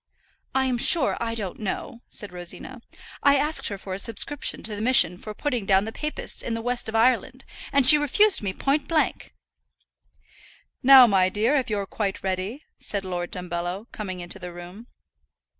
"I'm sure I don't know," said Rosina. "I asked her for a subscription to the mission for putting down the Papists in the west of Ireland, and she refused me point blank." "Now, my dear, if you're quite ready," said Lord Dumbello, coming into the room.